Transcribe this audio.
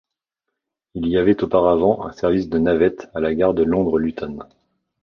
Il y avait auparavant un service de navette à la gare de Londres Luton.